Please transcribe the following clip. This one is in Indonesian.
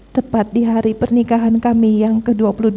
tepat di hari pernikahan kami yang ke dua puluh delapan